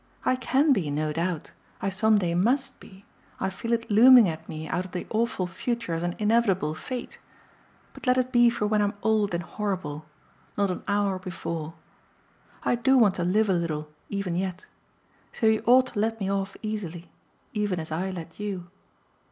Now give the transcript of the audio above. I CAN be, no doubt I some day MUST be: I feel it looming at me out of the awful future as an inevitable fate. But let it be for when I'm old and horrible; not an hour before. I do want to live a little even yet. So you ought to let me off easily even as I let you."